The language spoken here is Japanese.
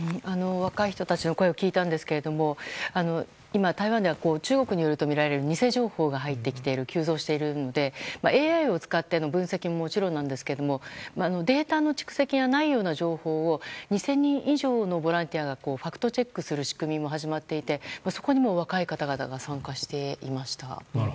若い人たちの声を聞いたんですが今、台湾では中国によるとみられる偽情報が急増しているのでＡＩを使っての分析ももちろんなんですがデータの蓄積がないような情報を２０００人以上のボランティアがファクトチェックする仕組みも始まっていてそこにも若い方々が参加していました。